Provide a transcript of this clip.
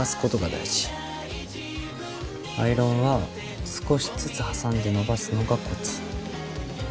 アイロンは少しずつ挟んで伸ばすのがコツ。